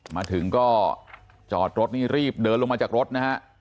มาถึงก็จอดรถนี่รีบเดินลงมาจากรถนะฮะ